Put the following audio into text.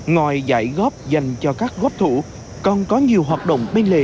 ngoài giải góp dành cho các góp thủ còn có nhiều hoạt động bên lề